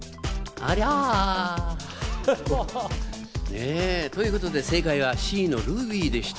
ありゃ。ということで正解はＣのルビーでした。